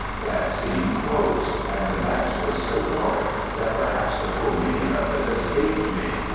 That scene closed, and the next was so dark that perhaps the full meaning of it escaped me.